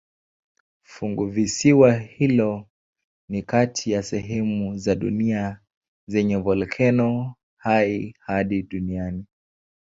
Funguvisiwa hilo ni kati ya sehemu za dunia zenye volkeno hai zaidi duniani.